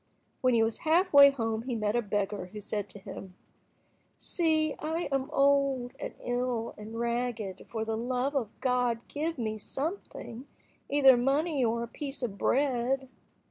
When he was half way home he met a beggar, who said to him— "See, I am old, ill, and ragged, for the love of God give me something, either money or a piece of bread."